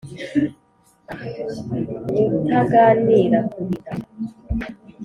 Rutaganira kulinda.